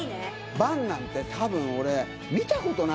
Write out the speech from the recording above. バンなんて多分俺。